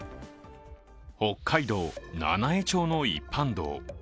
北海道七飯町の一般道。